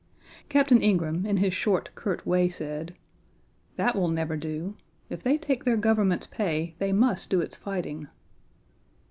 Captain Ingraham, in his short, curt way, said: "That will never do. If they take their government's pay they must do its fighting."